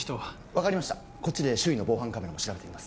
分かりましたこっちで周囲の防犯カメラも調べてみますね。